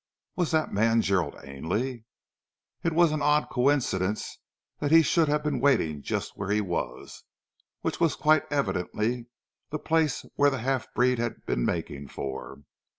Was that man Gerald Ainley? It was an odd coincidence that he should have been waiting just where he was, which was quite evidently the place where the half breed had been making for.